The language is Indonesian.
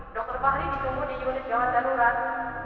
dokter fahri ditemu di unit jalan jaluran